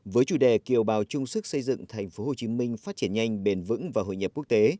với chủ đề kiều bào chung sức xây dựng tp hcm phát triển nhanh bền vững và hội nhập quốc tế